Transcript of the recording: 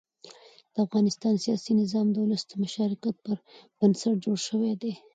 د افغانستان سیاسي نظام د ولس د مشارکت پر بنسټ جوړ شوی دی